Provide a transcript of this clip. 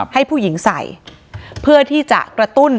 ให้ผู้หญิงใส่เพื่อที่จะกระตุ้น